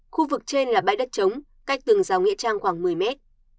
khu vực trên là bãi đất trống cách tường rào nghệ trang khoảng một mươi mét